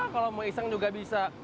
kalau mau iseng juga bisa